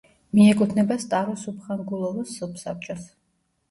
მიეკუთვნება სტაროსუბხანგულოვოს სოფსაბჭოს.